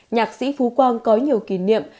nhạc sĩ phú quang có nhiều kỷ niệm